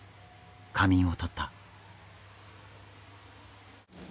仮眠をとった。